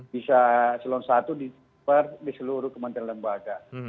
bisa selon satu di seluruh kementerian lembaga